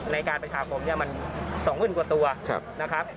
ในการประชาคมมันสองหมื่นกว่าตัวนะครับ